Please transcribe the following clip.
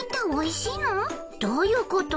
どういうこと？